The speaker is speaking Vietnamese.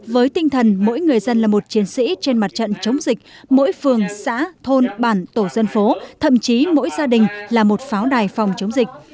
với tinh thần mỗi người dân là một chiến sĩ trên mặt trận chống dịch mỗi phường xã thôn bản tổ dân phố thậm chí mỗi gia đình là một pháo đài phòng chống dịch